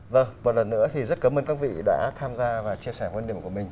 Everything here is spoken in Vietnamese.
vâng một lần nữa thì rất cảm ơn các vị đã tham gia và chia sẻ quan điểm của mình